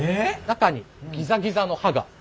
中にギザギザの歯が。